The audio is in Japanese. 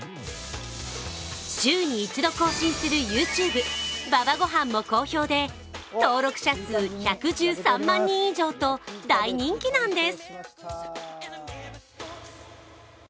週に１度更新するＹｏｕＴｕｂｅ「馬場ごはん」も好評で登録者数１１３万人以上と大人気なんです。